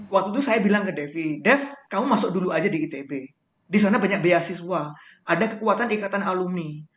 waktu itu saya bilang ke devi dev kamu masuk dulu aja di itb di sana banyak beasiswa ada kekuatan ikatan alumni